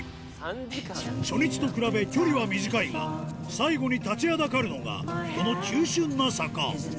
初日と比べ距離は短いが最後に立ちはだかるのがこの急峻な坂